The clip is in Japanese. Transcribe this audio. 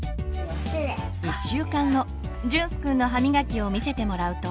１週間後隼州くんの歯みがきを見せてもらうと。